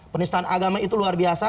penistaan agama itu luar biasa